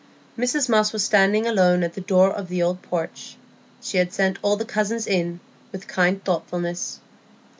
Mrs Moss was standing alone at the door of the old porch; she had sent all the cousins in, with kind thoughtfulness.